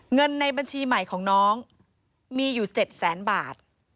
เงินในบัญชีใหม่ของน้องมีอยู่๗แสนบาท